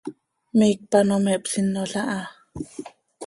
Miicp ano me hpsinol aha.